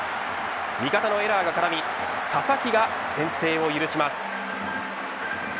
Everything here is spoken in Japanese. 味方のエラーが絡み佐々木が先制を許します。